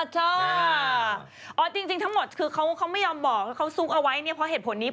เออจริงทั้งหมดคือเขาไม่ยอมบอกเขาซุกเอาไว้เนี่ยเพราะเหตุผลนี้